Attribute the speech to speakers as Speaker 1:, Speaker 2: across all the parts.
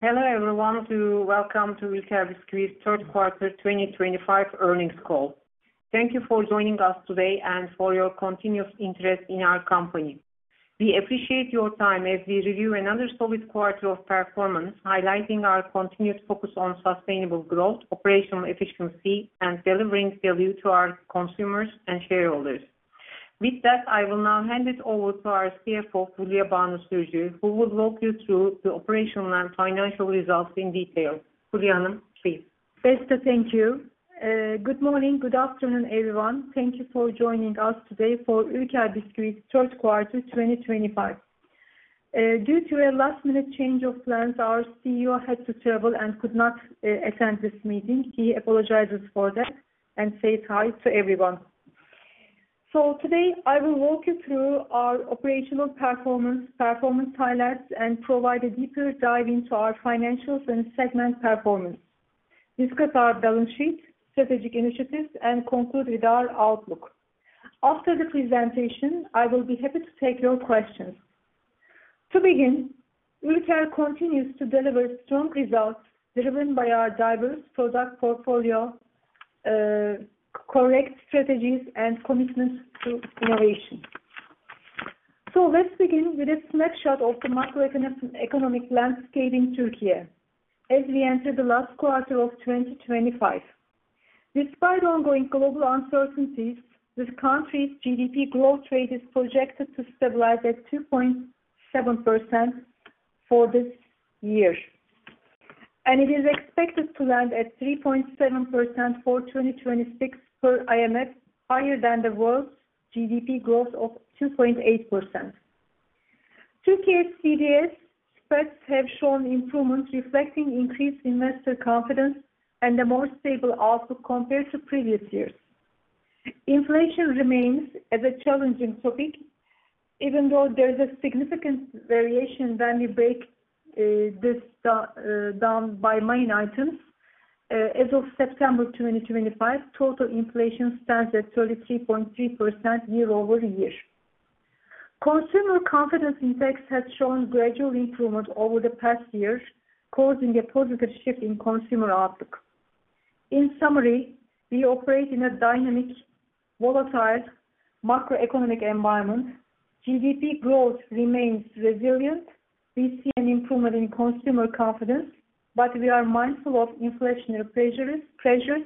Speaker 1: Hello everyone, welcome to Ulker Bisküvi's Third Quarter 2025 Earnings Call. Thank you for joining us today and for your continuous interest in our company. We appreciate your time as we review another solid quarter of performance, highlighting our continued focus on sustainable growth, operational efficiency, and delivering value to our consumers and shareholders. With that, I will now hand it over to our CFO, Fulya Banu Sürücü, who will walk you through the operational and financial results in detail. Fulya, please.
Speaker 2: Beste, thank you. Good morning, good afternoon everyone. Thank you for joining us today for Ulker Bisküvi's Third Quarter 2025. Due to a last-minute change of plans, our CEO had to travel and could not attend this meeting. He apologizes for that and says hi to everyone. Today I will walk you through our operational performance, performance highlights, and provide a deeper dive into our financials and segment performance, discuss our balance sheet, strategic initiatives, and conclude with our outlook. After the presentation, I will be happy to take your questions. To begin, Ulker continues to deliver strong results driven by our diverse product portfolio, correct strategies, and commitment to innovation. Let's begin with a snapshot of the macroeconomic landscape in Turkey as we enter the last quarter of 2025. Despite ongoing global uncertainties, the country's GDP growth rate is projected to stabilize at 2.7% for this year, and it is expected to land at 3.7% for 2026 per IMF, higher than the world's GDP growth of 2.8%. Turkey's CDS spreads have shown improvement, reflecting increased investor confidence and a more stable outlook compared to previous years. Inflation remains as a challenging topic, even though there is a significant variation when we break this down by main items. As of September 2025, total inflation stands at 33.3% year-over-year. Consumer confidence index has shown gradual improvement over the past year, causing a positive shift in consumer outlook. In summary, we operate in a dynamic, volatile macroeconomic environment. GDP growth remains resilient. We see an improvement in consumer confidence, but we are mindful of inflationary pressures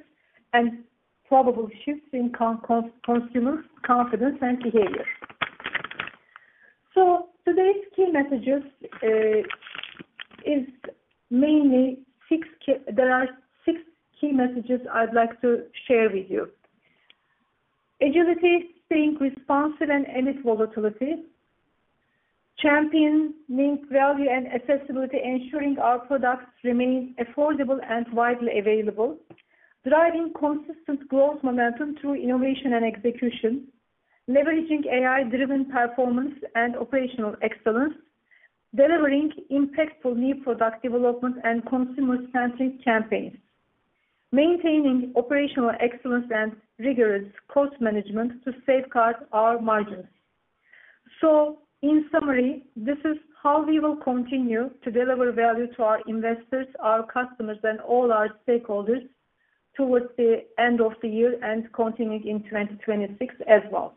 Speaker 2: and probable shifts in consumer confidence and behavior. Today's key messages is mainly six—there are six key messages I'd like to share with you: agility, staying responsive, and aimed volatility; championing, value, and accessibility, ensuring our products remain affordable and widely available; driving consistent growth momentum through innovation and execution; leveraging AI-driven performance and operational excellence; delivering impactful new product development and consumer-centric campaigns; maintaining operational excellence and rigorous cost management to safeguard our margins. In summary, this is how we will continue to deliver value to our investors, our customers, and all our stakeholders towards the end of the year and continuing in 2026 as well.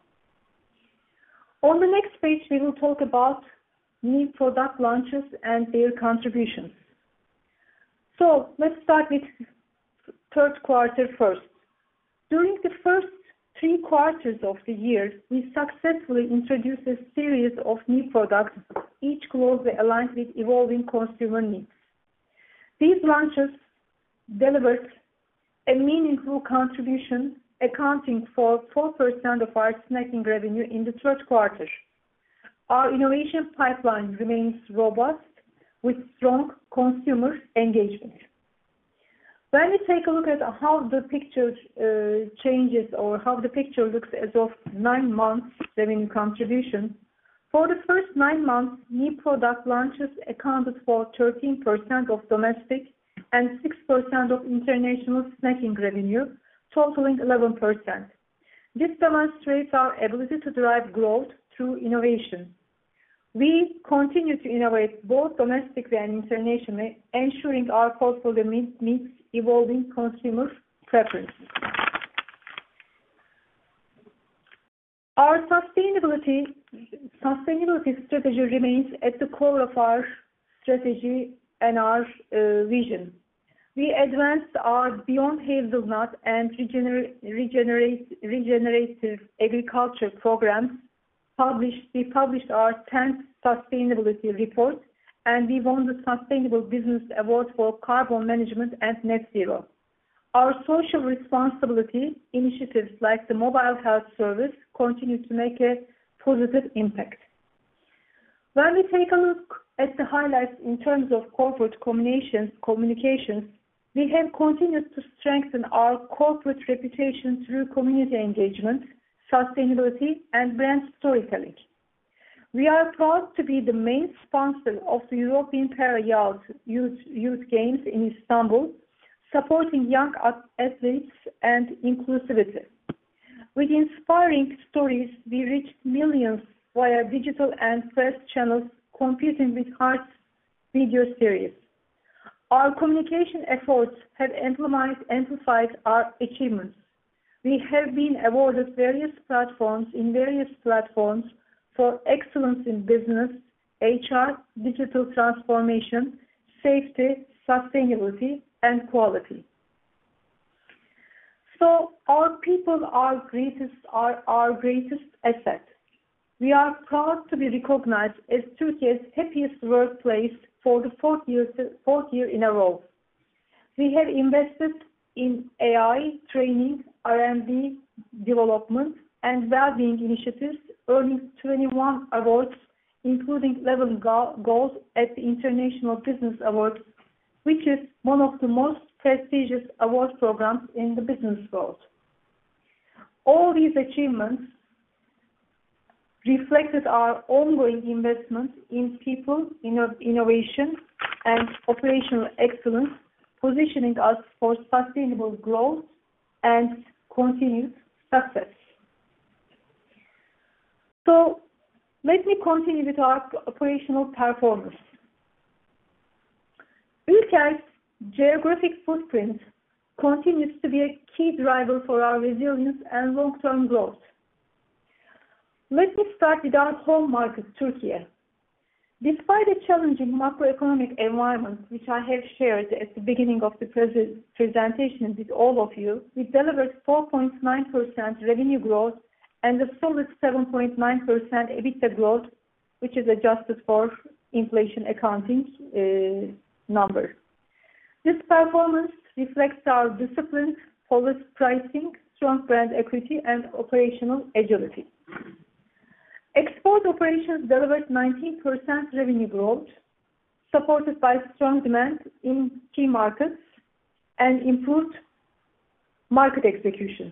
Speaker 2: On the next page, we will talk about new product launches and their contributions. Let's start with third quarter first. During the first three quarters of the year, we successfully introduced a series of new products, each closely aligned with evolving consumer needs. These launches delivered a meaningful contribution, accounting for 4% of our snacking revenue in the third quarter. Our innovation pipeline remains robust, with strong consumer engagement. When we take a look at how the picture changes or how the picture looks as of nine months revenue contribution, for the first nine months, new product launches accounted for 13% of domestic and 6% of international snacking revenue, totaling 11%. This demonstrates our ability to drive growth through innovation. We continue to innovate both domestically and internationally, ensuring our portfolio meets evolving consumer preferences. Our sustainability strategy remains at the core of our strategy and our vision. We advanced our Beyond Hazelnut and Regenerative Agriculture programs. We published our 10th sustainability report, and we won the Sustainable Business Award for carbon management and net zero. Our social responsibility initiatives, like the mobile health service, continue to make a positive impact. When we take a look at the highlights in terms of corporate communications, we have continued to strengthen our corporate reputation through community engagement, sustainability, and brand storytelling. We are proud to be the main sponsor of the opean Para Youth Games in Istanbul, supporting young athletes and inclusivity. With inspiring stories, we reached millions via digital and press channels, competing with hearts video series. Our communication efforts have amplified our achievements. We have been awarded in various platforms for excellence in business, HR, digital transformation, safety, sustainability, and quality. Our people are our greatest asset. We are proud to be recognized as Turkey's happiest workplace for the fourth year in a row. We have invested in AI training, R&D development, and well-being initiatives, earning 21 awards, including 11 gold at the International Business Awards, which is one of the most prestigious award programs in the business world. All these achievements reflected our ongoing investment in people, innovation, and operational excellence, positioning us for sustainable growth and continued success. Let me continue with our operational performance. Ulker's geographic footprint continues to be a key driver for our resilience and long-term growth. Let me start with our home market, Turkey. Despite the challenging macroeconomic environment, which I have shared at the beginning of the presentation with all of you, we delivered 4.9% revenue growth and a solid 7.9% EBITDA growth, which is adjusted for inflation accounting numbers. This performance reflects our discipline, polished pricing, strong brand equity, and operational agility. Export operations delivered 19% revenue growth, supported by strong demand in key markets and improved market execution.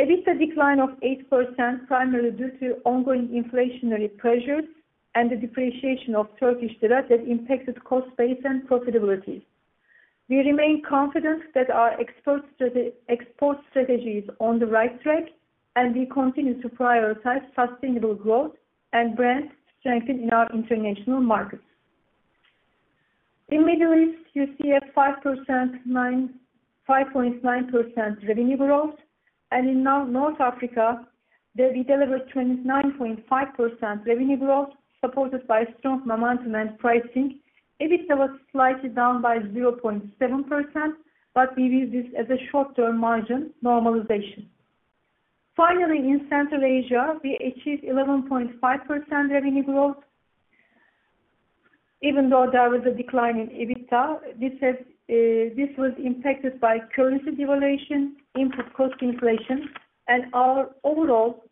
Speaker 2: EBITDA decline of 8%, primarily due to ongoing inflationary pressures and the depreciation of Turkish lira, that impacted cost base and profitability. We remain confident that our export strategy is on the right track, and we continue to prioritize sustainable growth and brand strengthening in our international markets. In the Middle East, you see a 5.9% revenue growth, and in North Africa, we delivered 29.5% revenue growth, supported by strong momentum and pricing. EBITDA was slightly down by 0.7%, but we view this as a short-term margin normalization. Finally, in Central Asia, we achieved 11.5% revenue growth. Even though there was a decline in EBITDA, this was impacted by currency devaluation, input cost inflation, and our overall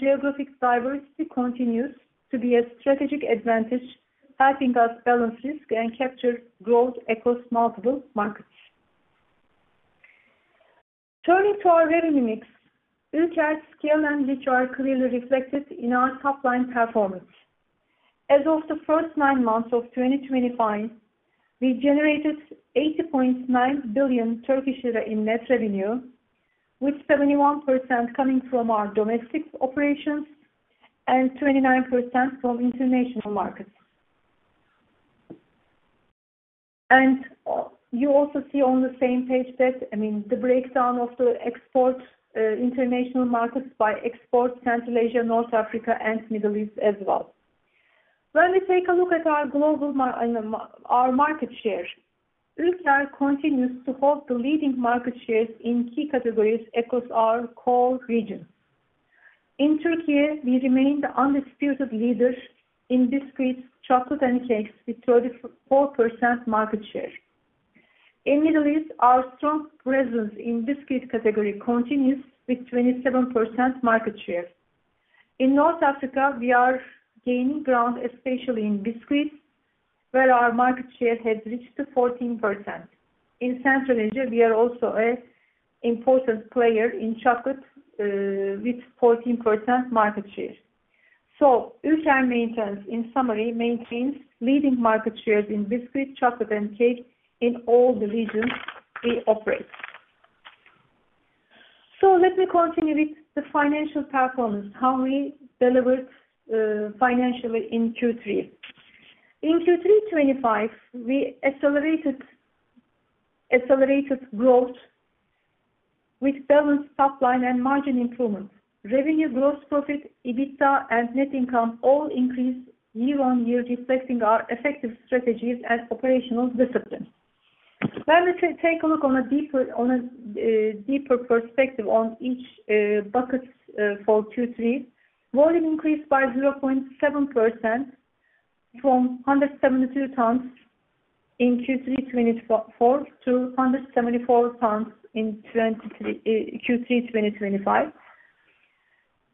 Speaker 2: geographic diversity continues to be a strategic advantage, helping us balance risk and capture growth across multiple markets. Turning to our revenue mix, Ulker's scale and nature are clearly reflected in our top-line performance. As of the first nine months of 2025, we generated 80.9 billion Turkish lira in net revenue, with 71% coming from our domestic operations and 29% from international markets. You also see on the same page that, I mean, the breakdown of the export international markets by export, Central Asia, North Africa, and Middle East as well. When we take a look at our market share, Ulker continues to hold the leading market shares in key categories across our core regions. In Turkey, we remain the undisputed leader in biscuits, chocolate, and cakes with 34% market share. In the Middle East, our strong presence in biscuit category continues with 27% market share. In North Africa, we are gaining ground, especially in biscuits, where our market share has reached 14%. In Central Asia, we are also an important player in chocolate with 14% market share. Ulker maintains, in summary, leading market shares in biscuits, chocolate, and cake in all the regions we operate. Let me continue with the financial performance, how we delivered financially in Q3. In Q3 2025, we accelerated growth with balanced top-line and margin improvement. Revenue, gross profit, EBITDA, and net income all increased year on year, reflecting our effective strategies and operational discipline. When we take a look on a deeper perspective on each bucket for Q3, volume increased by 0.7% from 172 tons in Q3 2024 to 174 tons in Q3 2025.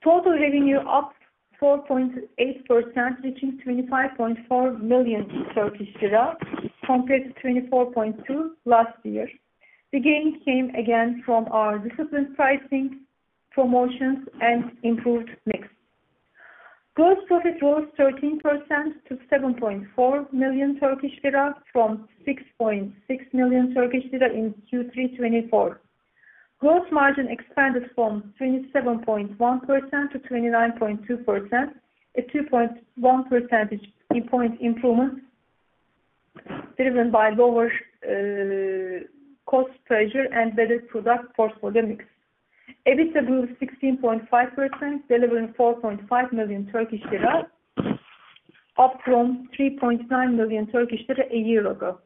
Speaker 2: Total revenue up 4.8%, reaching 25.4 million Turkish lira compared to 24.2 million last year. The gain came again from our disciplined pricing, promotions, and improved mix. Gross profit rose 13% to 7.4 million Turkish lira from 6.6 million Turkish lira in Q3 2024. Gross margin expanded from 27.1% - 29.2%, a 2.1 percentage point improvement driven by lower cost pressure and better product portfolio mix. EBITDA grew 16.5%, delivering 4.5 million Turkish lira, up from 3.9 million Turkish lira a year ago.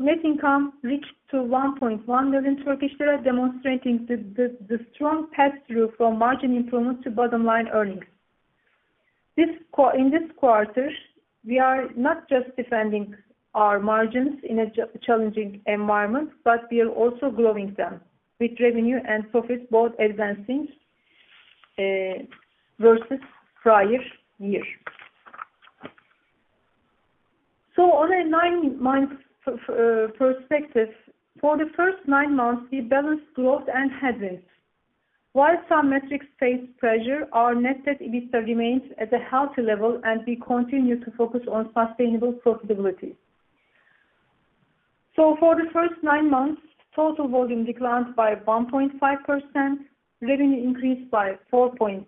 Speaker 2: Net income reached 1.1 million Turkish lira, demonstrating the strong pass-through from margin improvement to bottom-line earnings. In this quarter, we are not just defending our margins in a challenging environment, but we are also growing them with revenue and profit both advancing versus prior year. On a nine-month perspective, for the first nine months, we balanced growth and headwinds. While some metrics faced pressure, our net EBITDA remained at a healthy level, and we continue to focus on sustainable profitability. For the first nine months, total volume declined by 1.5%, revenue increased by 4.6%,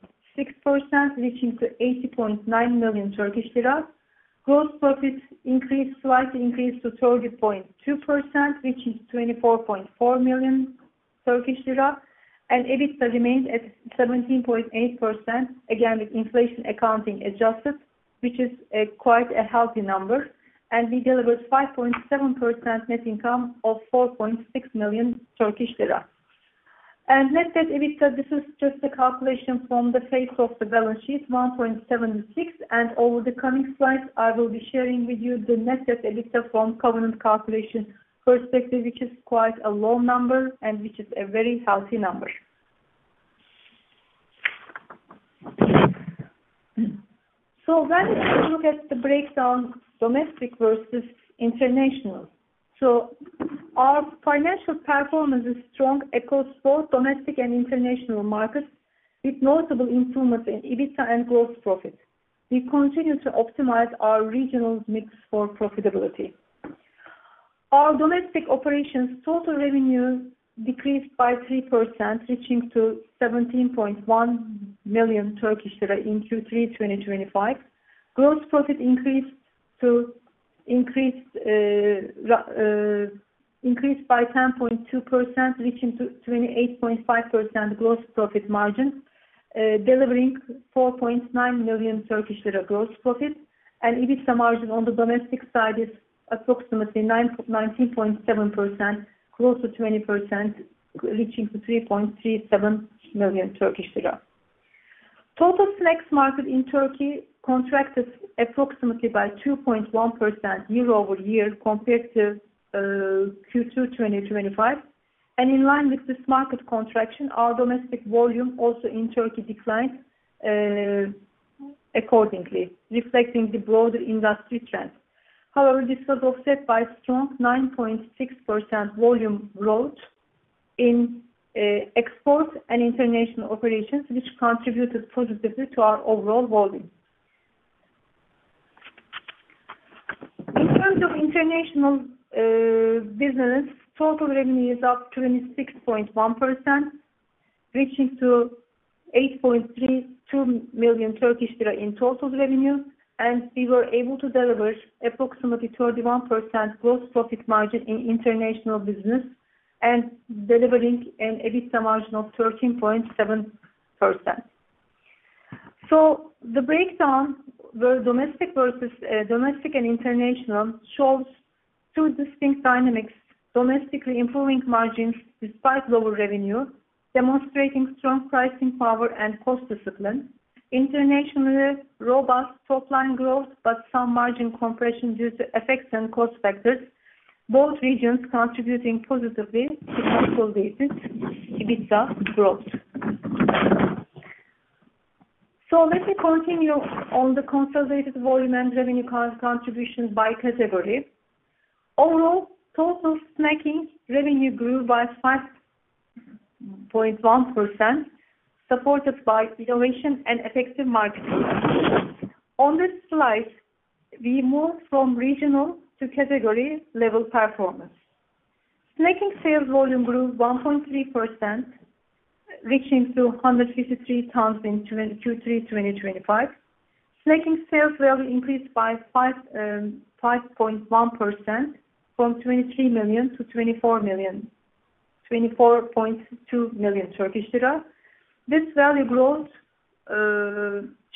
Speaker 2: reaching 80.9 million Turkish lira. Gross profit slightly increased to 30.2%, reaching TRY 24.4 million, and EBITDA remained at 17.8%, again with inflation accounting adjusted, which is quite a healthy number, and we delivered 5.7% net income of 4.6 million Turkish lira. Net EBITDA, this is just a calculation from the face of the balance sheet, 1.76 million, and over the coming slides, I will be sharing with you the net EBITDA from covenant calculation perspective, which is quite a low number and which is a very healthy number. When we take a look at the breakdown, domestic versus international. Our financial performance is strong across both domestic and international markets with notable improvements in EBITDA and gross profit. We continue to optimize our regional mix for profitability. Our domestic operations total revenue decreased by 3%, reaching 17.1 million Turkish lira in Q3 2025. Gross profit increased by 10.2%, reaching 28.5% gross profit margin, delivering 4.9 million Turkish lira gross profit, and EBITDA margin on the domestic side is approximately 19.7%, close to 20%, reaching 3.37 million Turkish lira. Total snacks market in Turkey contracted approximately by 2.1% year-over year compared to Q2 2025, and in line with this market contraction, our domestic volume also in Turkey declined accordingly, reflecting the broader industry trend. However, this was offset by strong 9.6% volume growth in export and international operations, which contributed positively to our overall volume. In terms of international business, total revenue is up 26.1%, reaching 8.32 million Turkish lira in total revenue, and we were able to deliver approximately 31% gross profit margin in international business and delivering an EBITDA margin of 13.7%. The breakdown, where domestic and international shows two distinct dynamics: domestically improving margins despite lower revenue, demonstrating strong pricing power and cost discipline. Internationally, robust top-line growth, but some margin compression due to effects and cost factors. Both regions contributing positively to consolidated EBITDA growth. Let me continue on the consolidated volume and revenue contribution by category. Overall, total snacking revenue grew by 5.1%, supported by innovation and effective marketing. On this slide, we move from regional to category-level performance. Snacking sales volume grew 1.3%, reaching 253 tons in Q3 2025. Snacking sales value increased by 5.1% from 23 million to 24.2 million Turkish lira. This value growth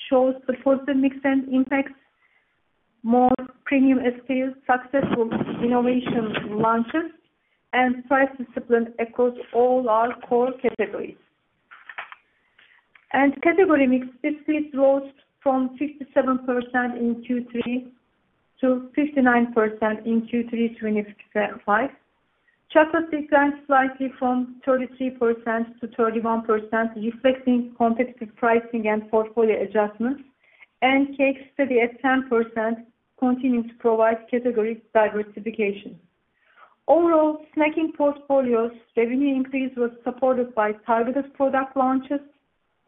Speaker 2: shows the positive mix and impacts more premium-scale successful innovation launches and price discipline across all our core categories. Category mix, biscuits rose from 57% in Q3 to 59% in Q3 2025. Chocolate declined slightly from 33% - 31%, reflecting competitive pricing and portfolio adjustments, and cake steady at 10%, continuing to provide category diversification. Overall, snacking portfolio's revenue increase was supported by targeted product launches,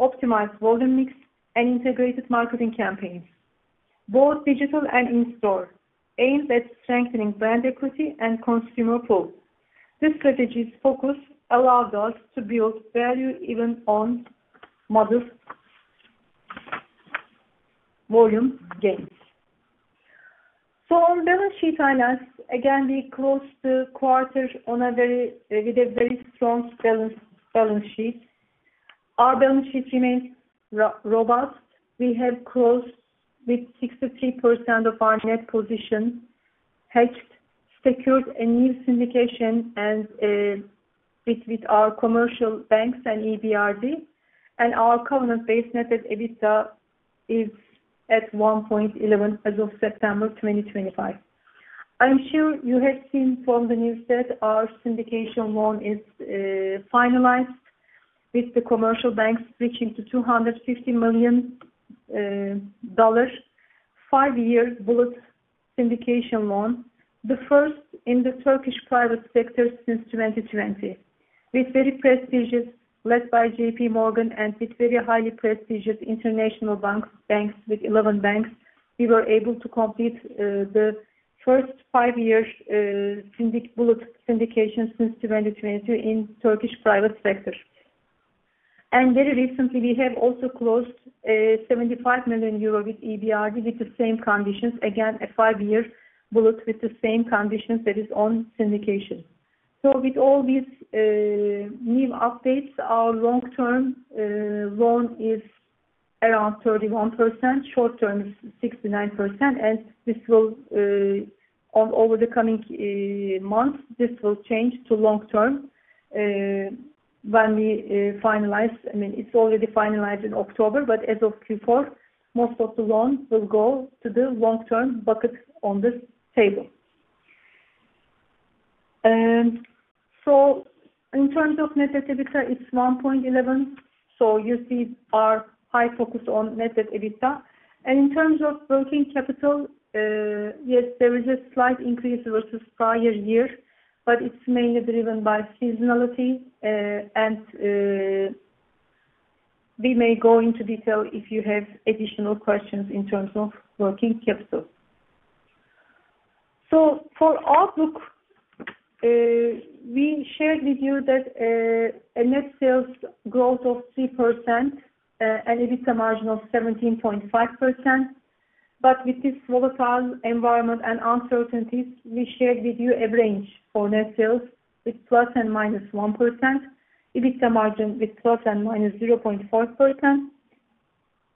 Speaker 2: optimized volume mix, and integrated marketing campaigns, both digital and in-store, aimed at strengthening brand equity and consumer pool. This strategy's focus allowed us to build value even on modest volume gains. On balance sheet finance, again, we closed the quarter with a very strong balance sheet. Our balance sheet remained robust. We have closed with 63% of our net position hedged, secured a new syndication with our commercial banks and EBRD, and our covenant-based net EBITDA is at 1.11 as of September 2025. I'm sure you have seen from the news that our syndication loan is finalized with the commercial banks reaching to $250 million, five-year bullet syndication loan, the first in the Turkish private sector since 2020, with very prestigious led by JPMorgan and with very highly prestigious international banks with 11 banks. We were able to complete the first five-year bullet syndication since 2022 in Turkish private sector. Very recently, we have also closed 75 million euro with EBRD with the same conditions, again a five-year bullet with the same conditions that is on syndication. With all these new updates, our long-term loan is around 31%, short-term is 69%, and this will, over the coming months, change to long-term when we finalize. I mean, it's already finalized in October, but as of Q4, most of the loan will go to the long-term bucket on this table. In terms of net EBITDA, it's 1.11. You see our high focus on net EBITDA. In terms of working capital, yes, there is a slight increase versus prior year, but it's mainly driven by seasonality, and we may go into detail if you have additional questions in terms of working capital. For outlook, we shared with you that a net sales growth of 3% and EBITDA margin of 17.5%, but with this volatile environment and uncertainties, we shared with you a range for net sales with + and - 1%, EBITDA margin with + and - 0.5%.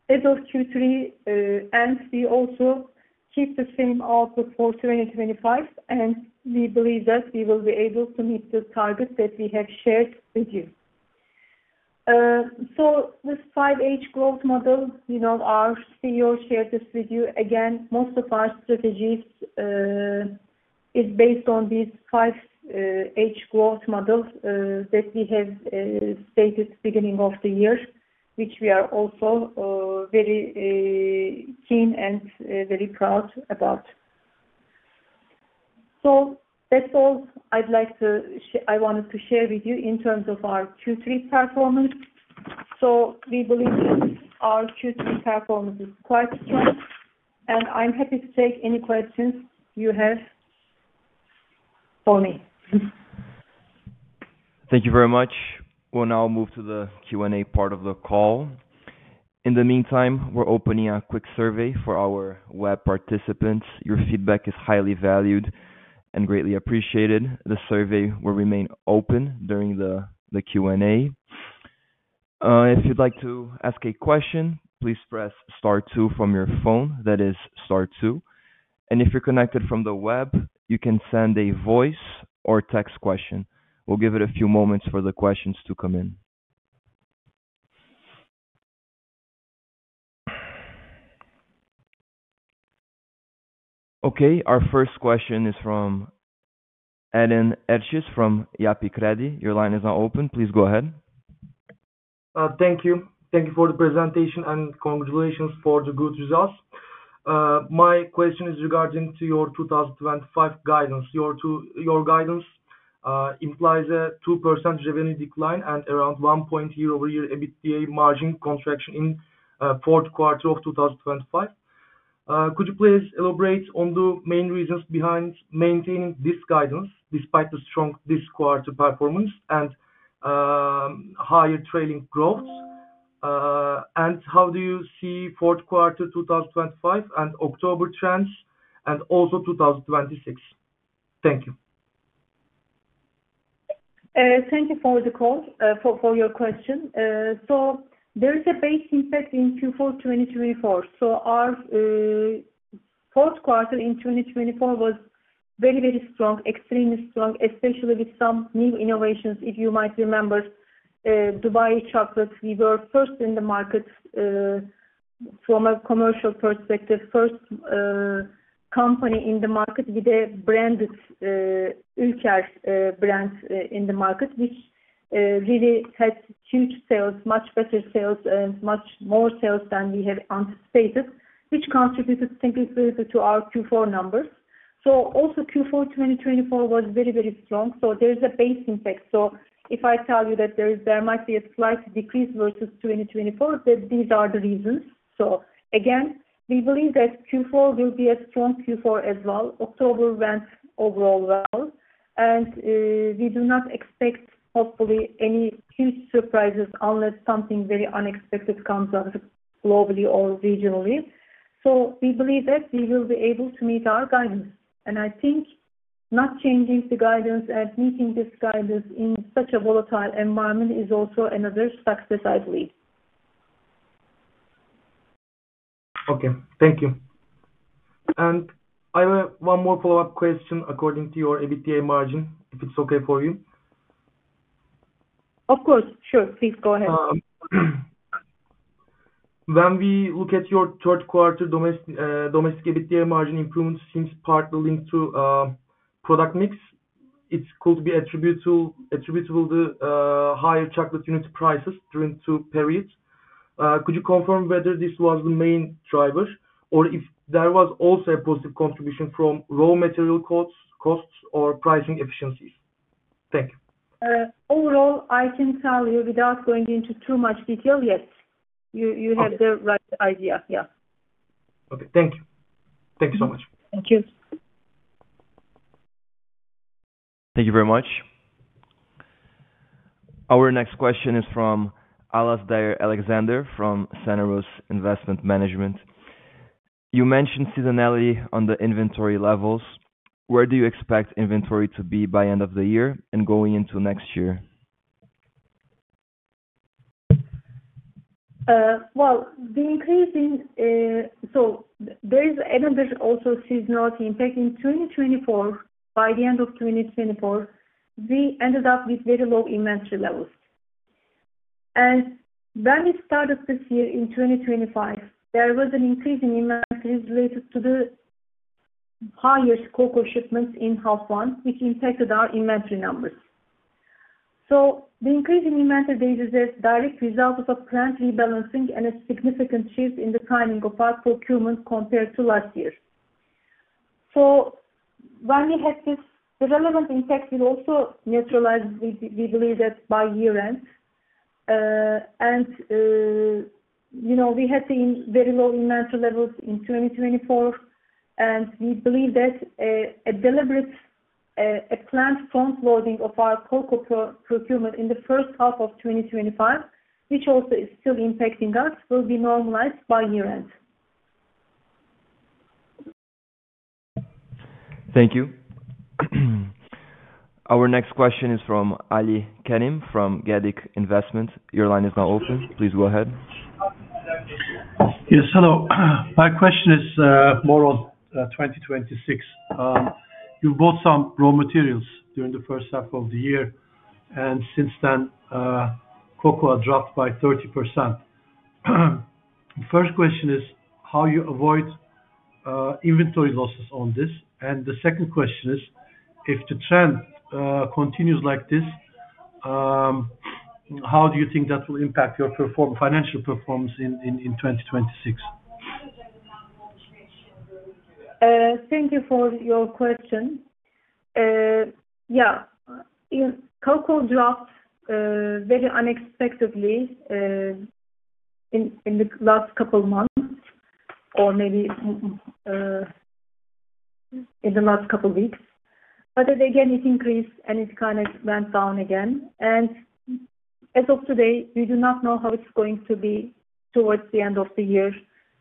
Speaker 2: As of Q3, we also keep the same outlook for 2025, and we believe that we will be able to meet the target that we have shared with you. This five-h growth model, our CEO shared this with you. Again, most of our strategies is based on this five-h growth model that we have stated beginning of the year, which we are also very keen and very proud about. That is all I'd like to share with you in terms of our Q3 performance. So we believe that our Q3 performance is quite strong, and I'm happy to take any questions you have for me.
Speaker 3: Thank you very much. We'll now move to the Q&A part of the call. In the meantime, we're opening a quick survey for our web participants. Your feedback is highly valued and greatly appreciated. The survey will remain open during the Q&A. If you'd like to ask a question, please press star two from your phone. That is star two. If you're connected from the web, you can send a voice or text question. We'll give it a few moments for the questions to come in. Okay. Our first question is from Eden Ercius from Yapi kredi. Your line is now open. Please go ahead.
Speaker 4: Thank you. Thank you for the presentation and congratulations for the good results. My question is regarding your 2025 guidance. Your guidance implies a 2% revenue decline and around 1.0% year-over-year EBITDA margin contraction in the fourth quarter of 2025. Could you please elaborate on the main reasons behind maintaining this guidance despite the strong this quarter performance and higher trailing growth? How do you see the fourth quarter 2025 and October trends and also 2026? Thank you.
Speaker 2: Thank you for the call, for your question. There is a base impact in Q4 2024. Our fourth quarter in 2024 was very, very strong, extremely strong, especially with some new innovations. If you might remember Dubai Chocolate, we were first in the market from a commercial perspective, first company in the market with a branded Ülker brand in the market, which really had huge sales, much better sales, and much more sales than we had anticipated, which contributed significantly to our Q4 numbers. Q4 2024 was very, very strong. There is a base impact. If I tell you that there might be a slight decrease versus 2024, these are the reasons. Again, we believe that Q4 will be a strong Q4 as well. October went overall well. We do not expect, hopefully, any huge surprises unless something very unexpected comes up globally or regionally. We believe that we will be able to meet our guidance. I think not changing the guidance and meeting this guidance in such a volatile environment is also another success, I believe.
Speaker 4: Thank you. I have one more follow-up question according to your EBITDA margin, if it's okay for you.
Speaker 2: Of course. Sure. Please go ahead.
Speaker 4: When we look at your third quarter domestic EBITDA margin improvement, seems partly linked to product mix, it could be attributable to higher chocolate unit prices during two periods. Could you confirm whether this was the main driver or if there was also a positive contribution from raw material costs or pricing efficiencies? Thank you.
Speaker 2: Overall, I can tell you without going into too much detail, yes. You have the right idea. Yeah.
Speaker 4: Okay. Thank you. Thank you so much.
Speaker 2: Thank you.
Speaker 3: Thank you very much. Our next question is from Alasdair Alexander from Santa Rosa Investment Management.
Speaker 5: You mentioned seasonality on the inventory levels. Where do you expect inventory to be by end of the year and going into next year?
Speaker 2: The increase in, so there is another also seasonality impact in 2024. By the end of 2024, we ended up with very low inventory levels. When we started this year in 2025, there was an increase in inventory related to the higher scope of shipments in half one, which impacted our inventory numbers. The increase in inventory data is a direct result of a plant rebalancing and a significant shift in the timing of our procurement compared to last year. When we had this, the relevant impact will also neutralize, we believe, by year-end. We had very low inventory levels in 2024, and we believe that a deliberate plant front-loading of our cocoa procurement in the first half of 2025, which also is still impacting us, will be normalized by year-end.
Speaker 3: Thank you. Our next question is from Ali Kenim from Gedik Investment. Your line is now open. Please go ahead.
Speaker 6: Yes. Hello. My question is more on 2026. You bought some raw materials during the first half of the year, and since then, cocoa dropped by 30%. First question is how you avoid inventory losses on this. The second question is, if the trend continues like this, how do you think that will impact your financial performance in 2026?
Speaker 2: Thank you for your question. Yeah. Cocoa dropped very unexpectedly in the last couple of months or maybe in the last couple of weeks. Then again, it increased, and it kind of went down again. As of today, we do not know how it's going to be towards the end of the year.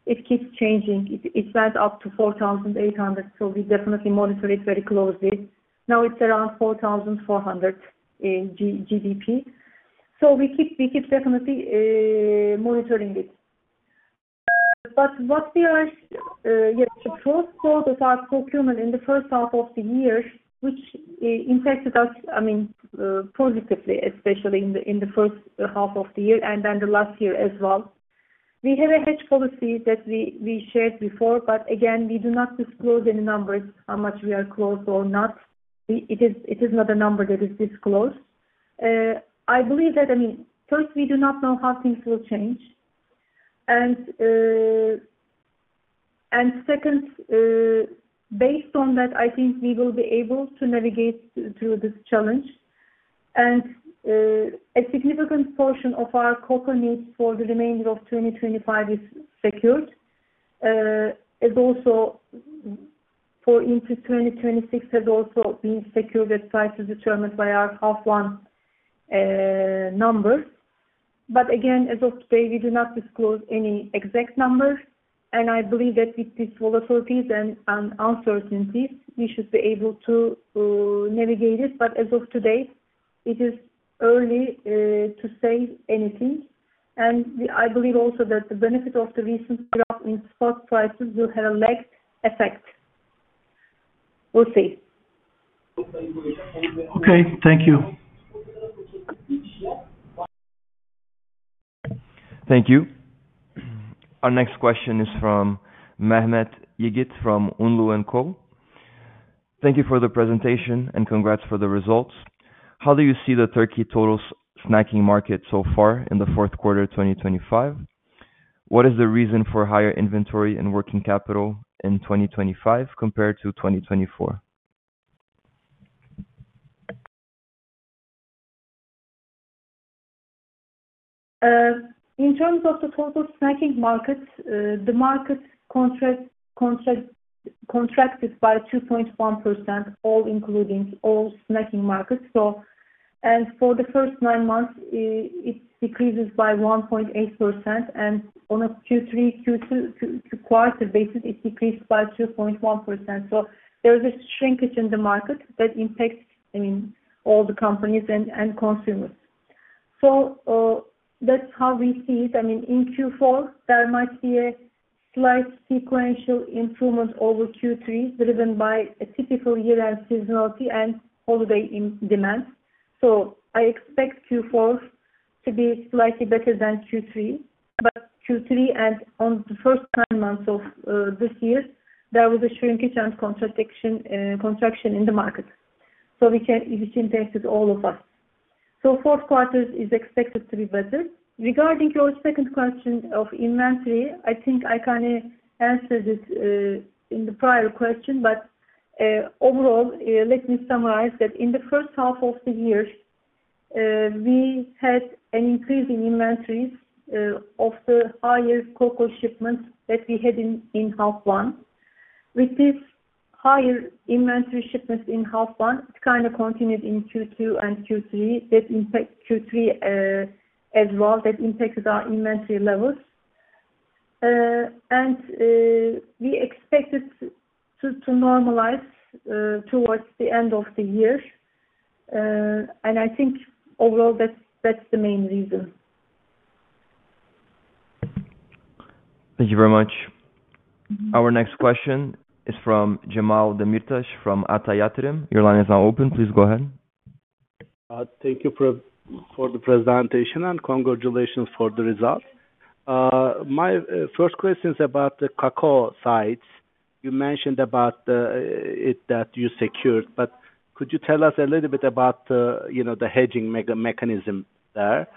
Speaker 2: It keeps changing. It went up to $4,800, so we definitely monitor it very closely. Now it's around $4,400. We keep definitely monitoring it. What we are, yeah, to close out of our procurement in the first half of the year, which impacted us, I mean, positively, especially in the first half of the year and then the last year as well. We have a hedge policy that we shared before, but again, we do not disclose any numbers, how much we are close or not. It is not a number that is disclosed. I believe that, I mean, first, we do not know how things will change. Second, based on that, I think we will be able to navigate through this challenge. A significant portion of our cocoa needs for the remainder of 2025 is secured. It is also for into 2026 has also been secured at size to determine by our half one numbers. Again, as of today, we do not disclose any exact number. I believe that with these volatilities and uncertainties, we should be able to navigate it. As of today, it is early to say anything. I believe also that the benefit of the recent drop in spot prices will have a lagged effect. We'll see.
Speaker 6: Okay. Thank you.
Speaker 3: Thank you. Our next question is from Mehmet Yiğit from ÜNLÜ & Co.
Speaker 7: Thank you for the presentation and congrats for the results. How do you see the Turkey total snacking market so far in the fourth quarter 2025? What is the reason for higher inventory and working capital in 2025 compared to 2024?
Speaker 2: In terms of the total snacking market, the market contracted by 2.1%, including all snacking markets. For the first nine months, it decreases by 1.8%. On a Q3, Q2, Q4 basis, it decreased by 2.1%. There is a shrinkage in the market that impacts, I mean, all the companies and consumers. That is how we see it. I mean, in Q4, there might be a slight sequential improvement over Q3 driven by a typical year-end seasonality and holiday demand. I expect Q4 to be slightly better than Q3. Q3 and the first nine months of this year, there was a shrinkage and contraction in the market, which impacted all of us. The fourth quarter is expected to be better. Regarding your second question of inventory, I think I kind of answered it in the prior question, but overall, let me summarize that in the first half of the year, we had an increase in inventories of the higher cocoa shipments that we had in half one. With this higher inventory shipments in half one, it kind of continued in Q2 and Q3. That impacted Q3 as well. That impacted our inventory levels. We expected to normalize towards the end of the year. I think overall, that's the main reason.
Speaker 7: Thank you very much.
Speaker 3: Our next question is from Jamal Demirtaş from Ata Yatirim. Your line is now open. Please go ahead.
Speaker 8: Thank you for the presentation and congratulations for the results. My first question is about the cocoa sides. You mentioned about it that you secured, but could you tell us a little bit about the hedging mechanism there?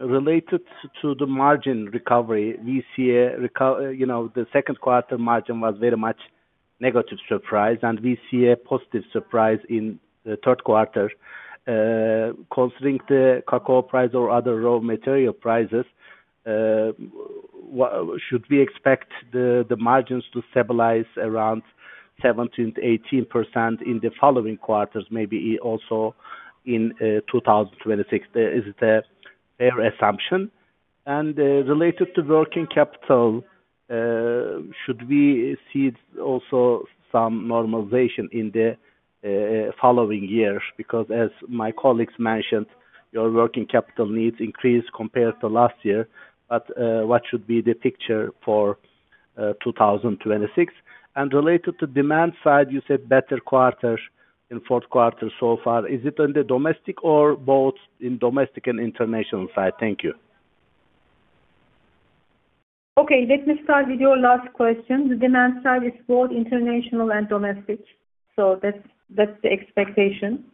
Speaker 8: Related to the margin recovery, we see the second quarter margin was very much negative surprise, and we see a positive surprise in the third quarter. Considering the cocoa price or other raw material prices, should we expect the margins to stabilize around 17-18% in the following quarters, maybe also in 2026? Is it a fair assumption? And related to working capital, should we see also some normalization in the following year? Because as my colleagues mentioned, your working capital needs increased compared to last year. What should be the picture for 2026? Related to demand side, you said better quarter in fourth quarter so far. Is it on the domestic or both in domestic and international side? Thank you.
Speaker 2: Okay. Let me start with your last question. The demand side is both international and domestic. That is the expectation.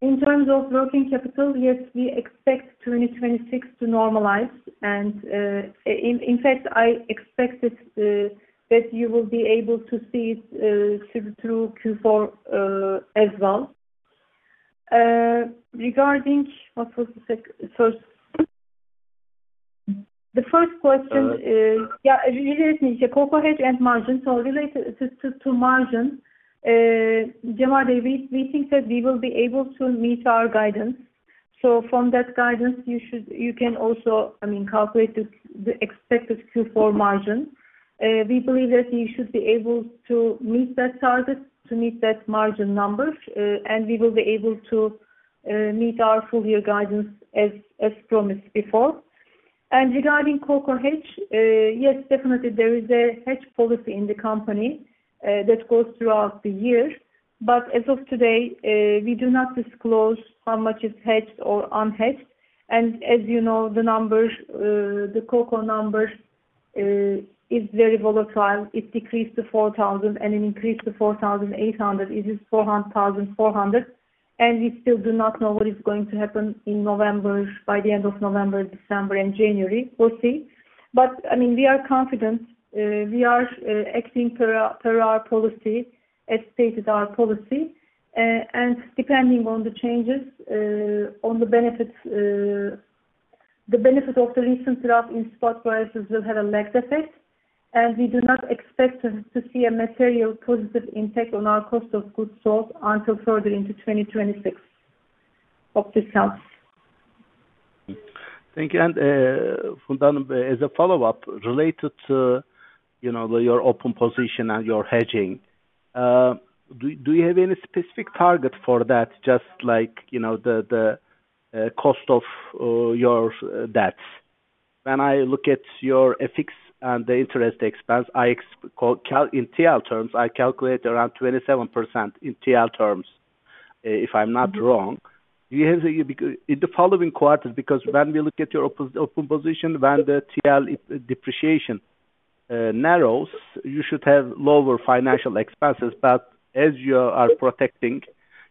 Speaker 2: In terms of working capital, yes, we expect 2026 to normalize. In fact, I expected that you will be able to see it through Q4 as well. Regarding what was the first? The first question is, yeah, related to cocoa hedge and margin. So related to margin, Jamal, we think that we will be able to meet our guidance. From that guidance, you can also, I mean, calculate the expected Q4 margin. We believe that you should be able to meet that target, to meet that margin number, and we will be able to meet our full year guidance as promised before. Regarding cocoa hedge, yes, definitely, there is a hedge policy in the company that goes throughout the year. As of today, we do not disclose how much is hedged or unhedged. As you know, the cocoa number is very volatile. It decreased to $4,000, and it increased to $4,800. It is $4,400. We still do not know what is going to happen in November, by the end of November, December, and January. We'll see. I mean, we are confident. We are acting per our policy, as stated our policy. Depending on the changes, the benefits of the recent drop in spot prices will have a lagged effect. We do not expect to see a material positive impact on our cost of goods sold until further into 2026 of discounts.
Speaker 8: Thank you. As a follow-up, related to your open position and your hedging, do you have any specific target for that, just like the cost of your debts? When I look at your FX and the interest expense, in TL terms, I calculate around 27% in TL terms, if I'm not wrong. In the following quarter, because when we look at your open position, when the TL depreciation narrows, you should have lower financial expenses. As you are protecting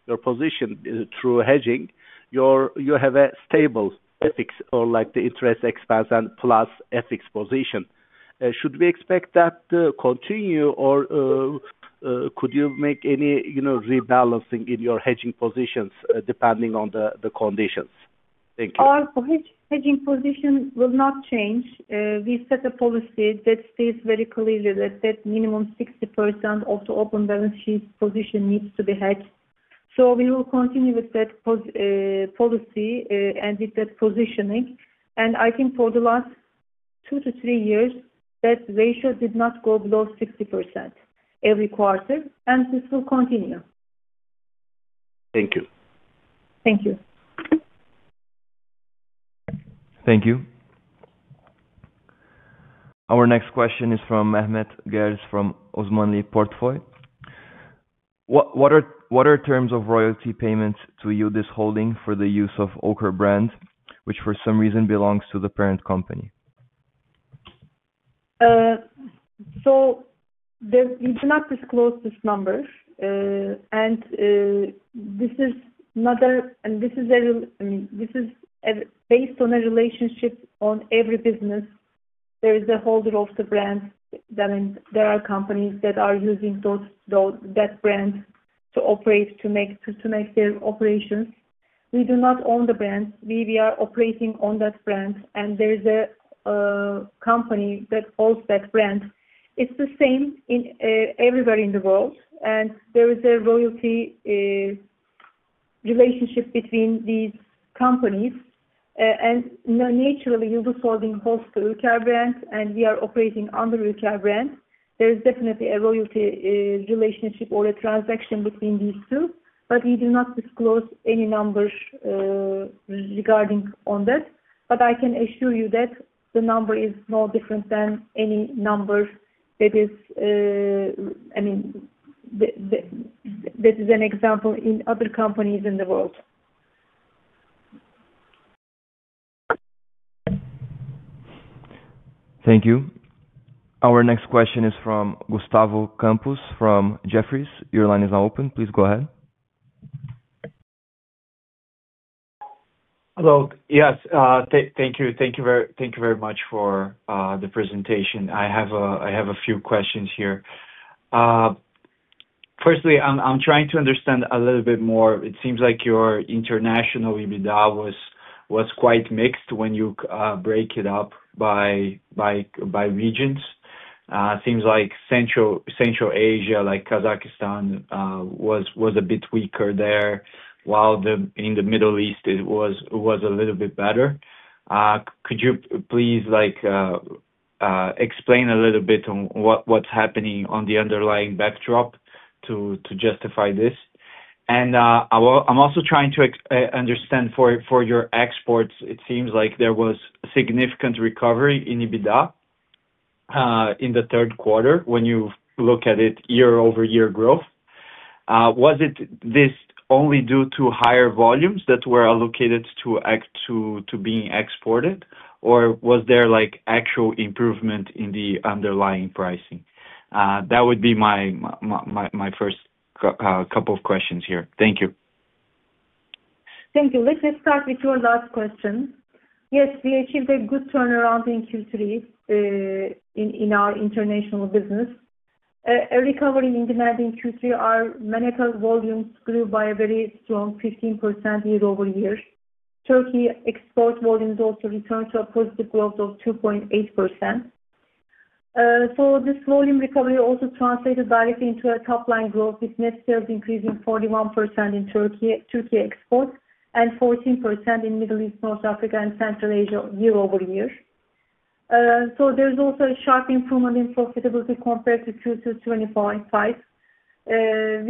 Speaker 8: your position through hedging, you have a stable FX or the interest expense and plus FX position. Should we expect that to continue or could you make any rebalancing in your hedging positions depending on the conditions? Thank you.
Speaker 2: Our hedging position will not change. We set a policy that states very clearly that minimum 60% of the open balance sheet position needs to be hedged. We will continue with that policy and with that positioning. I think for the last two to three years, that ratio did not go below 60% every quarter, and this will continue.
Speaker 8: Thank you.
Speaker 2: Thank you.
Speaker 3: Thank you. Our next question is from Mehmet Gerş from Osmanli Portföy.
Speaker 9: What are terms of royalty payments to Yıldız Holding for the use of Ülker Brand, which for some reason belongs to the parent company?
Speaker 2: We do not disclose this number. This is not a—and this is a—I mean, this is based on a relationship on every business. There is a holder of the brand. There are companies that are using that brand to operate, to make their operations. We do not own the brand. We are operating on that brand, and there is a company that holds that brand. It is the same everywhere in the world, and there is a royalty relationship between these companies. Naturally, Yıldız Holding holds the Ülker Brand, and we are operating under Ülker Brand. There is definitely a royalty relationship or a transaction between these two, but we do not disclose any numbers regarding on that. I can assure you that the number is no different than any number that is—I mean, that is an example in other companies in the world.
Speaker 3: Thank you. Our next question is from Gustavo Campos from Jefferies. Your line is now open. Please go ahead.
Speaker 10: Hello. Yes. Thank you. Thank you very much for the presentation. I have a few questions here. Firstly, I'm trying to understand a little bit more. It seems like your international EBITDA was quite mixed when you break it up by regions. It seems like Central Asia, like Kazakhstan, was a bit weaker there, while in the Middle East, it was a little bit better. Could you please explain a little bit on what's happening on the underlying backdrop to justify this? I'm also trying to understand for your exports, it seems like there was significant recovery in EBITDA in the third quarter when you look at it year-over-year growth. Was this only due to higher volumes that were allocated to being exported, or was there actual improvement in the underlying pricing? That would be my first couple of questions here. Thank you. Thank you. Let me start with your last question. Yes, we achieved a good turnaround in Q3 in our international business. A recovery in demand in Q3, our manifold volumes grew by a very strong 15% year-over-year. Turkey export volumes also returned to a positive growth of 2.8%. This volume recovery also translated directly into a top-line growth with net sales increasing 41% in Turkey exports and 14% in Middle East, North Africa, and Central Asia year-over-year. There is also a sharp improvement in profitability compared to Q2 2025. We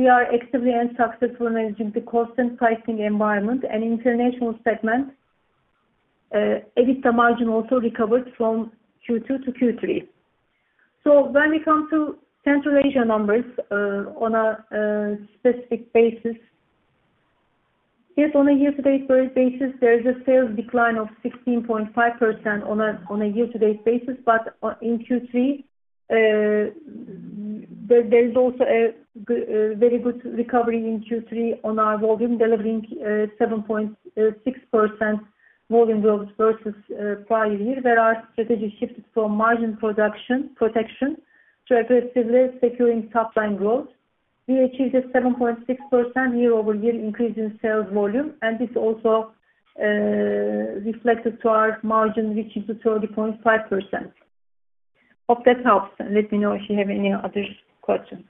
Speaker 10: are actively and successfully managing the cost and pricing environment, and international segment EBITDA margin also recovered from Q2 to Q3. When we come to Central Asia numbers on a specific basis, yes, on a year-to-date basis, there is a sales decline of 16.5% on a year-to-date basis. In Q3, there is also a very good recovery in Q3 on our volume, delivering 7.6% volume growth versus prior year. Our strategies shifted from margin protection to aggressively securing top-line growth. We achieved a 7.6% year-over-year increase in sales volume, and this also reflected to our margin reaching 30.5%. Hope that helps. Let me know if you have any other questions.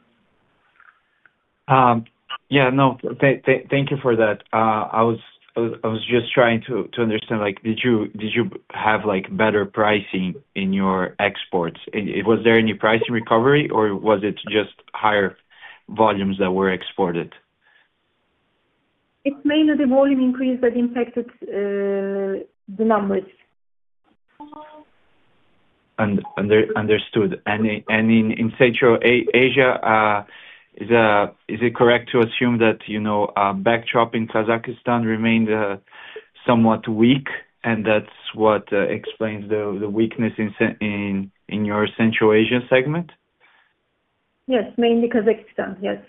Speaker 10: Yeah. No, thank you for that. I was just trying to understand, did you have better pricing in your exports? Was there any pricing recovery, or was it just higher volumes that were exported?
Speaker 2: It's mainly the volume increase that impacted the numbers.
Speaker 10: Understood. In Central Asia, is it correct to assume that backdrop in Kazakhstan remained somewhat weak, and that's what explains the weakness in your Central Asia segment?
Speaker 2: Yes, mainly Kazakhstan. Yes.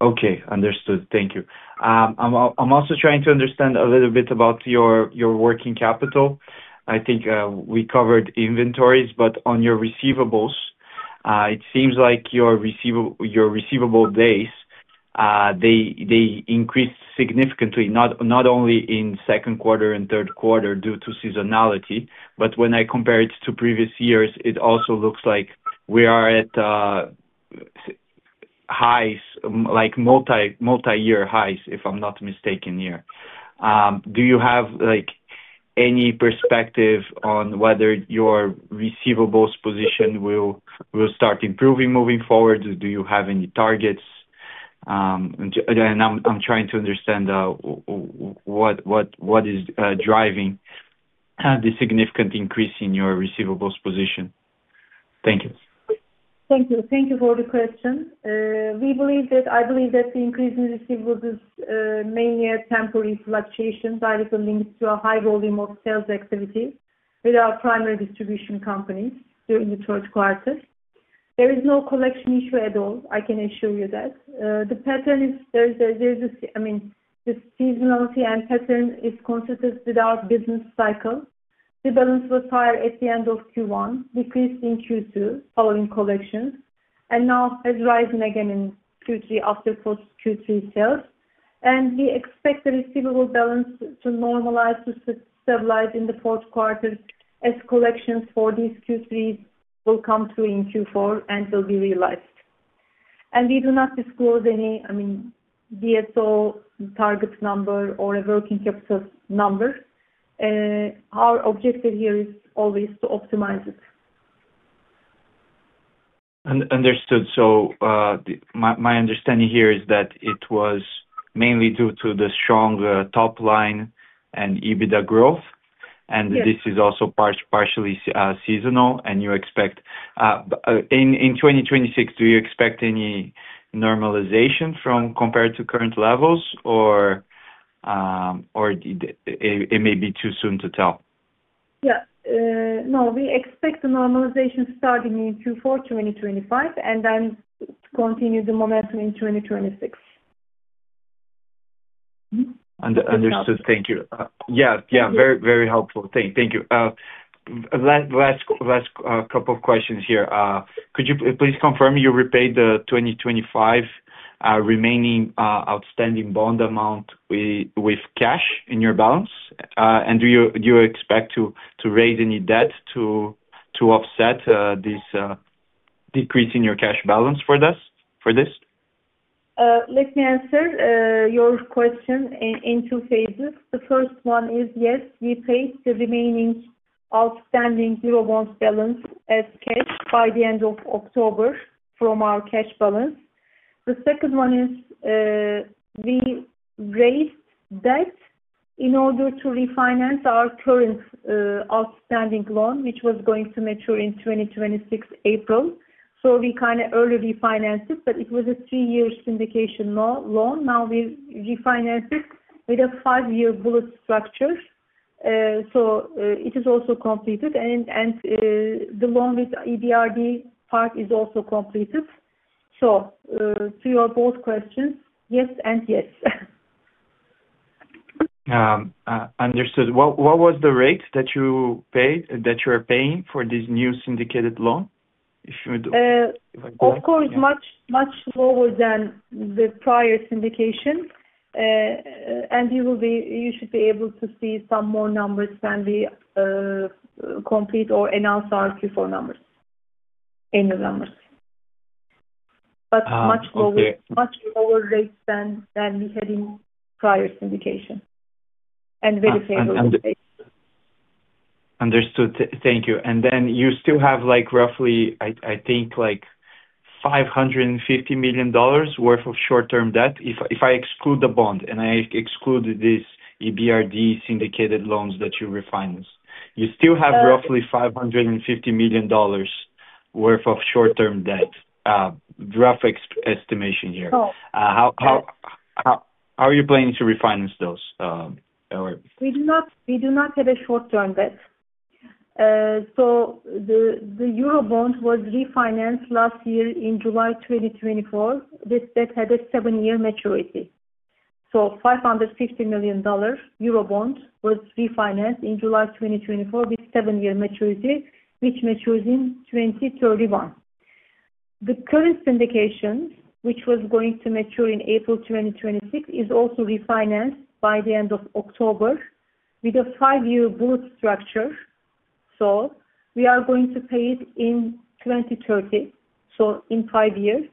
Speaker 10: Okay. Understood. Thank you. I'm also trying to understand a little bit about your working capital. I think we covered inventories, but on your receivables, it seems like your receivable days, they increased significantly, not only in second quarter and third quarter due to seasonality, but when I compare it to previous years, it also looks like we are at highs, multi-year highs, if I'm not mistaken here. Do you have any perspective on whether your receivables position will start improving moving forward? Do you have any targets? I'm trying to understand what is driving the significant increase in your receivables position. Thank you.
Speaker 2: Thank you for the question. I believe that the increase in receivables is mainly a temporary fluctuation directly linked to a high volume of sales activity with our primary distribution companies during the third quarter. There is no collection issue at all. I can assure you that. The pattern is, I mean, the seasonality and pattern is consistent with our business cycle. The balance was higher at the end of Q1, decreased in Q2 following collection, and now has risen again in Q3 after post-Q3 sales. We expect the receivable balance to normalize, to stabilize in the fourth quarter as collections for these Q3s will come through in Q4 and will be realized. We do not disclose any, I mean, DSO target number or a working capital number. Our objective here is always to optimize it.
Speaker 10: Understood. So my understanding here is that it was mainly due to the strong top-line and EBITDA growth, and this is also partially seasonal, and you expect in 2026, do you expect any normalization compared to current levels, or it may be too soon to tell?
Speaker 2: Yeah. No, we expect the normalization starting in Q4 2025 and then continue the momentum in 2026.
Speaker 10: Understood. Thank you. Yeah. Yeah. Very, very helpful. Thank you. Last couple of questions here. Could you please confirm you repaid the 2025 remaining outstanding bond amount with cash in your balance? And do you expect to raise any debt to offset this decrease in your cash balance for this?
Speaker 2: Let me answer your question in two phases. The first one is, yes, we paid the remaining outstanding euro bond balance as cash by the end of October from our cash balance. The second one is we raised debt in order to refinance our current outstanding loan, which was going to mature in 2026 April. We kind of early refinanced it, but it was a three-year syndication loan. Now we refinanced it with a five-year bullet structure. It is also completed, and the loan with EBRD part is also completed. To your both questions, yes and yes.
Speaker 10: Understood. What was the rate that you are paying for this new syndicated loan? If you would like to know.
Speaker 2: Of course, much lower than the prior syndication. You should be able to see some more numbers when we complete or announce our Q4 numbers, annual numbers. Much lower rates than we had in prior syndication and very favorable rates.
Speaker 10: Understood. Thank you. You still have roughly, I think, $550 million worth of short-term debt. If I exclude the bond and I exclude these EBRD syndicated loans that you refinance, you still have roughly $550 million worth of short-term debt, rough estimation here. How are you planning to refinance those?
Speaker 2: We do not have a short-term debt. The euro bond was refinanced last year in July 2024. This debt had a seven-year maturity. $550 million euro bond was refinanced in July 2024 with seven-year maturity, which matures in 2031. The current syndication, which was going to mature in April 2026, is also refinanced by the end of October with a five-year bullet structure. We are going to pay it in 2030, in five years.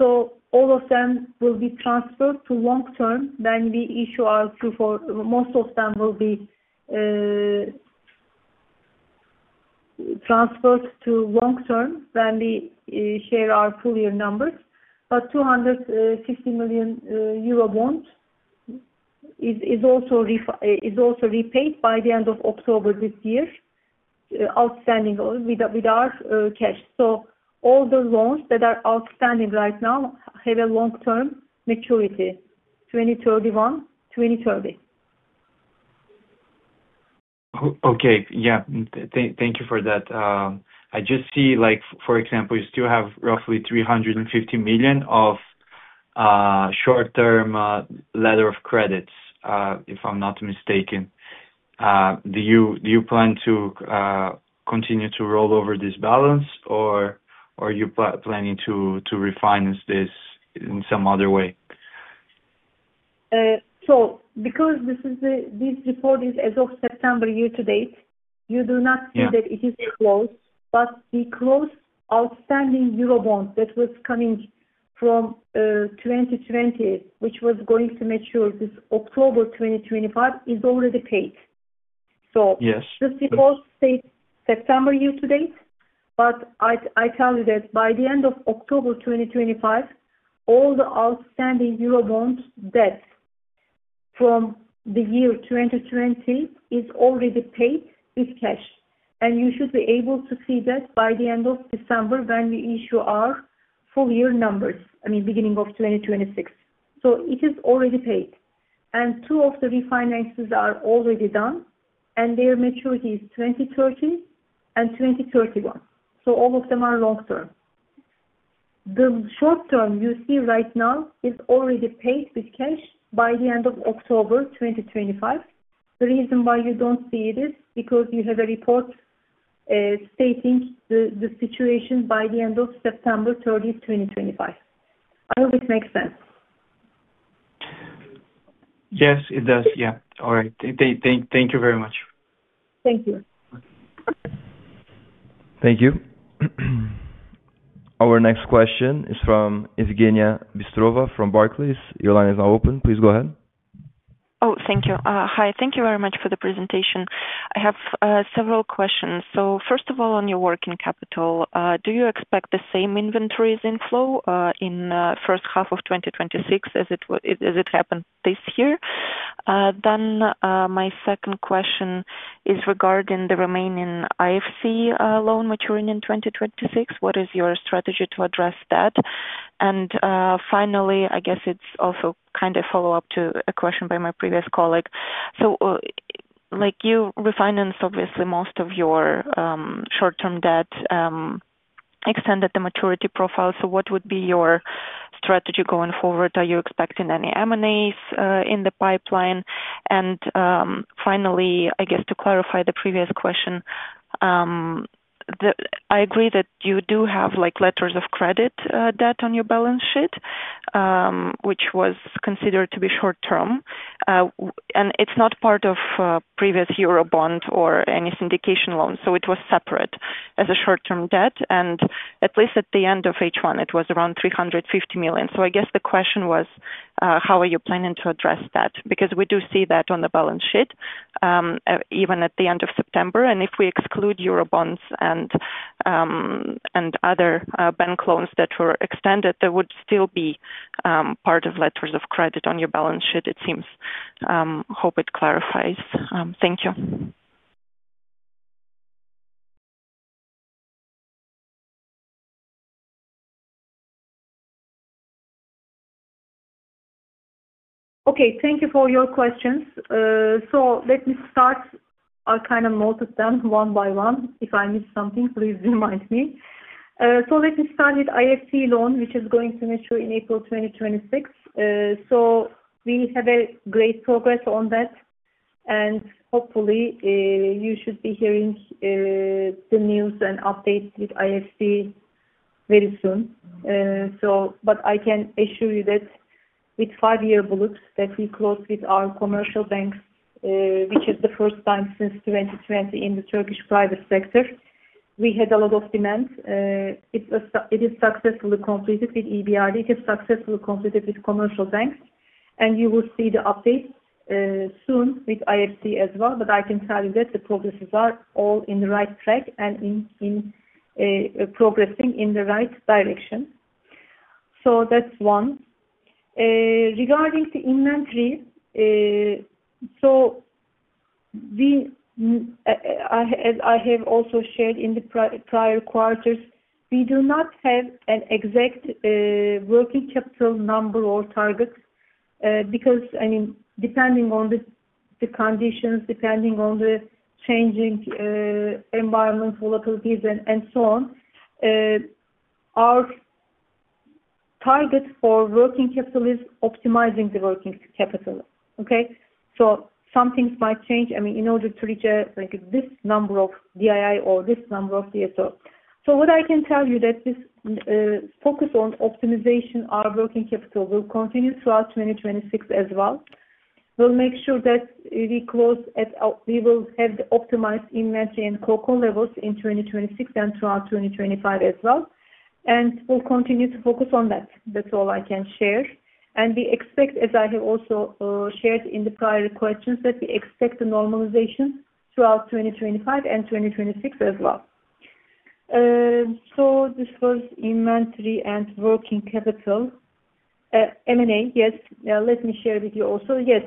Speaker 2: All of them will be transferred to long-term when we issue our Q4. Most of them will be transferred to long-term when we share our full-year numbers. $250 million euro bond is also repaid by the end of October this year with our cash. All the loans that are outstanding right now have a long-term maturity, 2031, 2030.
Speaker 10: Okay. Yeah. Thank you for that. I just see, for example, you still have roughly $350 million of short-term letter of credits, if I'm not mistaken. Do you plan to continue to roll over this balance, or are you planning to refinance this in some other way?
Speaker 2: Because this report is as of September year-to-date, you do not see that it is closed. The closed outstanding euro bond that was coming from 2020, which was going to mature this October 2025, is already paid. This report states September year-to-date. I tell you that by the end of October 2025, all the outstanding euro bond debt from the year 2020 is already paid with cash. You should be able to see that by the end of December when we issue our full-year numbers, I mean, beginning of 2026. It is already paid. Two of the refinances are already done, and their maturity is 2030 and 2031. All of them are long-term. The short-term you see right now is already paid with cash by the end of October 2025. The reason why you do not see it is because you have a report stating the situation by the end of September 30, 2025. I hope it makes sense.
Speaker 10: Yes, it does. Yeah. All right. Thank you very much.
Speaker 2: Thank you.
Speaker 3: Thank you. Our next question is from Evgenia Bystrova from Barclays. Your line is now open. Please go ahead.
Speaker 11: Oh, thank you. Hi. Thank you very much for the presentation. I have several questions. First of all, on your working capital, do you expect the same inventories inflow in the first half of 2026 as it happened this year? My second question is regarding the remaining IFC loan maturing in 2026. What is your strategy to address that? Finally, I guess it is also kind of follow-up to a question by my previous colleague. You refinance, obviously, most of your short-term debt, extended the maturity profile. What would be your strategy going forward? Are you expecting any M&As in the pipeline? Finally, I guess to clarify the previous question, I agree that you do have letters of credit debt on your balance sheet, which was considered to be short-term. It is not part of previous euro bond or any syndication loans. It was separate as a short-term debt. At least at the end of H1, it was around $350 million. I guess the question was, how are you planning to address that? We do see that on the balance sheet, even at the end of September. If we exclude euro bonds and other bank loans that were extended, there would still be part of letters of credit on your balance sheet, it seems. Hope it clarifies. Thank you.
Speaker 2: Thank you for your questions. Let me start. I'll kind of note them one by one. If I miss something, please remind me. Let me start with IFC loan, which is going to mature in April 2026. We have a great progress on that. Hopefully, you should be hearing the news and updates with IFC very soon. I can assure you that with five-year bullets that we closed with our commercial banks, which is the first time since 2020 in the Turkish private sector, we had a lot of demand. It is successfully completed with EBRD. It is successfully completed with commercial banks. You will see the updates soon with IFC as well. I can tell you that the progresses are all on the right track and progressing in the right direction. That is one. Regarding the inventory, as I have also shared in the prior quarters, we do not have an exact working capital number or target because, I mean, depending on the conditions, depending on the changing environment, volatilities, and so on, our target for working capital is optimizing the working capital. Okay? Some things might change, I mean, in order to reach this number of DII or this number of DSO. What I can tell you is that this focus on optimization of our working capital will continue throughout 2026 as well. We'll make sure that we close at, we will have the optimized inventory and cocoa levels in 2026 and throughout 2025 as well. We'll continue to focus on that. That's all I can share. We expect, as I have also shared in the prior questions, that we expect the normalization throughout 2025 and 2026 as well. This was inventory and working capital. M&A, yes. Let me share with you also. Yes.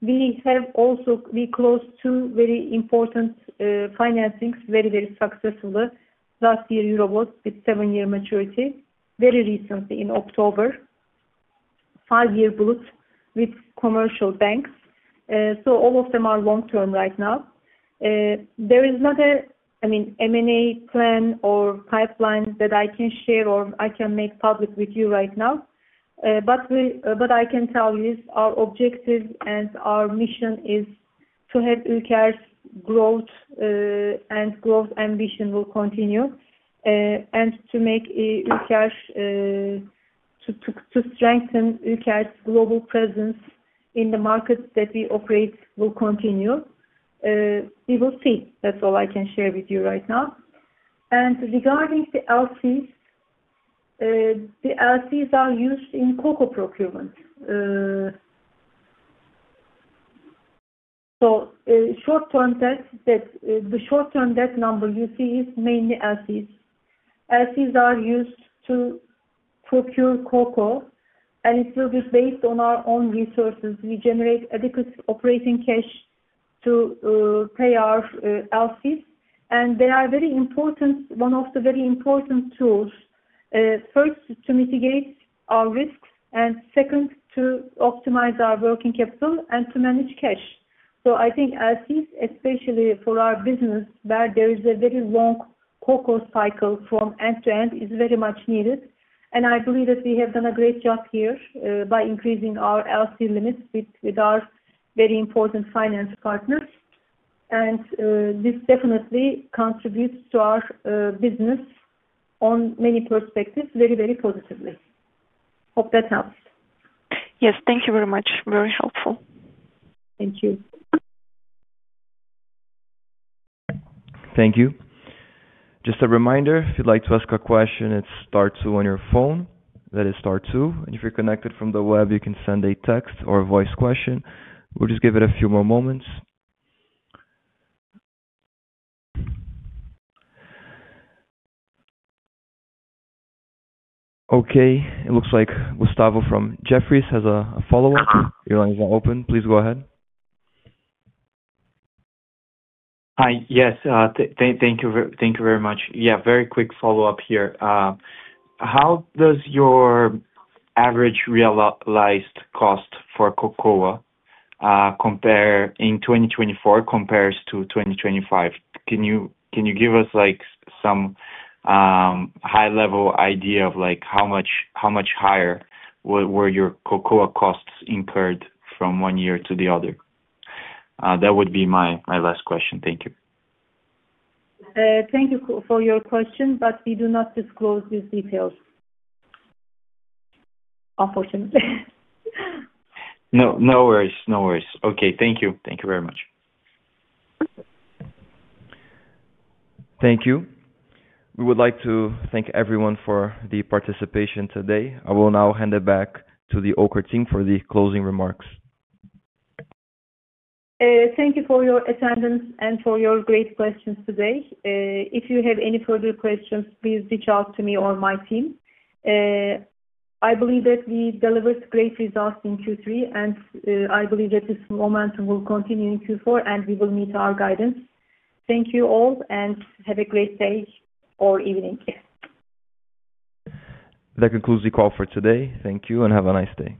Speaker 2: We have also closed two very important financings, very, very successfully last year, euro bonds with seven-year maturity, very recently in October, five-year bullet with commercial banks. All of them are long-term right now. There is not a, I mean, M&A plan or pipeline that I can share or I can make public with you right now. What I can tell you is our objective and our mission is to have Ulker's growth and growth ambition will continue and to make Ulker's, to strengthen Ulker's global presence in the markets that we operate, will continue. We will see. That is all I can share with you right now. Regarding the LCs, the LCs are used in cocoa procurement. The short-term debt number you see is mainly LCs. LCs are used to procure cocoa, and it will be based on our own resources. We generate adequate operating cash to pay our LCs. They are very important, one of the very important tools, first to mitigate our risks and second to optimize our working capital and to manage cash. I think LCs, especially for our business, where there is a very long cocoa cycle from end to end, is very much needed. I believe that we have done a great job here by increasing our LC limits with our very important finance partners. This definitely contributes to our business on many perspectives, very, very positively. Hope that helps.
Speaker 11: Yes. Thank you very much. Very helpful.
Speaker 2: Thank you.
Speaker 3: Thank you. Just a reminder, if you'd like to ask a question, it starts on your phone. That is star two. If you're connected from the web, you can send a text or a voice question. We'll just give it a few more moments. Okay. It looks like Gustavo from Jefferies has a follow-up. Your line is now open. Please go ahead.
Speaker 10: Hi. Yes. Thank you very much. Yeah. Very quick follow-up here. How does your average realized cost for cocoa compare in 2024 compares to 2025? Can you give us some high-level idea of how much higher were your cocoa costs incurred from one year to the other? That would be my last question. Thank you.
Speaker 2: Thank you for your question, but we do not disclose these details, unfortunately.
Speaker 10: No worries. No worries. Okay. Thank you. Thank you very much.
Speaker 3: Thank you. We would like to thank everyone for the participation today. I will now hand it back to the Ulker team for the closing remarks.
Speaker 2: Thank you for your attendance and for your great questions today. If you have any further questions, please reach out to me or my team. I believe that we delivered great results in Q3, and I believe that this momentum will continue in Q4, and we will meet our guidance. Thank you all, and have a great day or evening.
Speaker 3: That concludes the call for today. Thank you, and have a nice day.